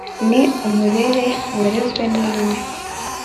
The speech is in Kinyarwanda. Ni umurere warezwe n'inka